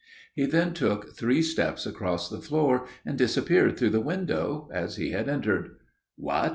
He then took three steps across the floor, and disappeared through the window, as he had entered. "What?"